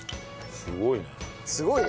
すごいね。